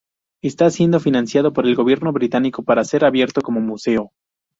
Está siendo financiado por el gobierno británico para ser reabierto como museo.